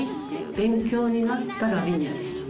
勉強になったラビニアでしたね。